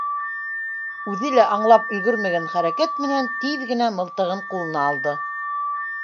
Үҙе лә аңлап өлгөрмәгән хәрәкәт менән тиҙ генә мылтығын ҡулына алды.